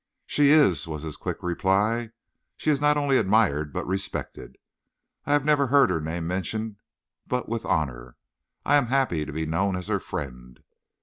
"She is," was his quick reply. "She is not only admired, but respected. I have never heard her name mentioned but with honor. I am happy to be known as her friend."